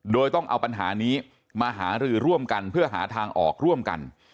โดยต้องเอาปัญหานี้มาหารือร่วมกันเพื่อหาทางออกร่วมกัน